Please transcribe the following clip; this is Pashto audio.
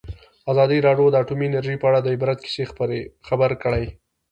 ازادي راډیو د اټومي انرژي په اړه د عبرت کیسې خبر کړي.